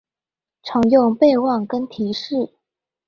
常用備忘跟提示